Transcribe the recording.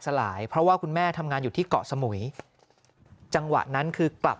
สลายเพราะว่าคุณแม่ทำงานอยู่ที่เกาะสมุยจังหวะนั้นคือกลับ